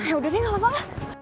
yaudah deh gak lapar